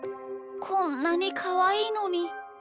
こんなにかわいいのに。